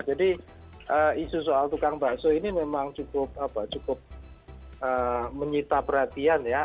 isu soal tukang bakso ini memang cukup menyita perhatian ya